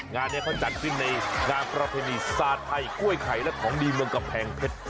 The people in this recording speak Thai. งานนี้เขาจัดขึ้นในงานประเพณีศาสตร์ไทยกล้วยไข่และของดีเมืองกำแพงเพชร